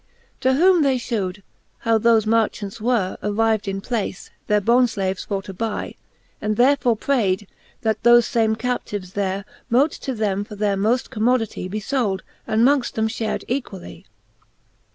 X. To whom they fhewed, how thofe marchants were Arriv'd in place, their bondflaves for to buy, And therefore prayd, that thofe fame captives there Mote to them for their moft commodity Be fold, and mongft them fhared equally.